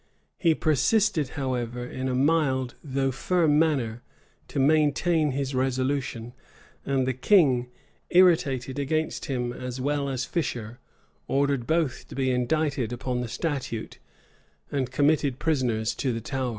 [] He persisted, however, in a mild though firm manner, to maintain his resolution; and the king, irritated against him as well as Fisher, ordered both to be indicted upon the statute, and committed prisoners to the Tower.